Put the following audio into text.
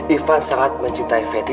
ivan sangat mencintai fetty